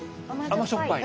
甘しょっぱい？